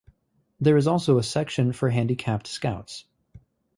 There is also a section for handicapped Scouts.